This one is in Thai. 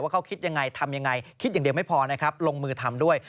เขาคิดยังไงทำยังไงคิดอย่างเดียวไม่พอนะครับลงมือทำด้วย